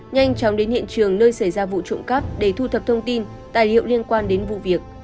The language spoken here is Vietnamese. nhanh chóng đến hiện trường nơi xảy ra vụ trộm cắp để thu thập thông tin tài liệu liên quan đến vụ việc